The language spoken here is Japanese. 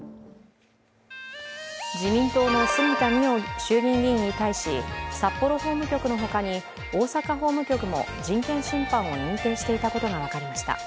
自民党の杉田水脈衆院議員に対し札幌法務局の他に大阪法務局も人権侵犯を認定していたことが分かりました。